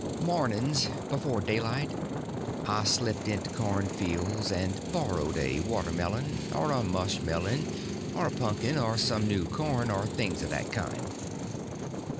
Mornings before daylight I slipped into cornfields and borrowed a watermelon, or a mushmelon, or a punkin, or some new corn, or things of that kind.